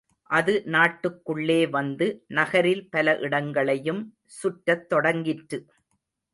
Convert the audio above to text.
அது நாட்டுக்குள்ளே வந்து, நகரில் பல இடங்களையும் சுற்றத் தொடங்கிற்று.